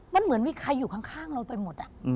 มันเหมือนมีใครอยู่ข้างเราไปหมด